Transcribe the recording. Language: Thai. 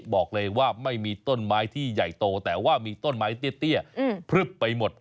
บอกเลยว่าไม่มีต้นไม้ที่ใหญ่โตแต่ว่ามีต้นไม้เตี้ยพลึบไปหมด